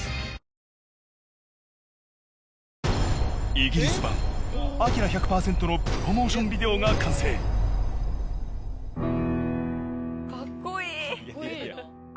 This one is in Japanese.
イギリス版アキラ １００％ のプロモーションビデオが完成かっこいい！